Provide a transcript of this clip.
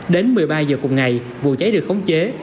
đến một mươi ba h cùng ngày vụ cháy được khống chế